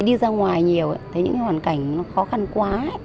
đi ra ngoài nhiều thấy những hoàn cảnh khó khăn quá